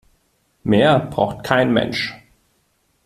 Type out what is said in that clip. Mehr braucht kein Mensch.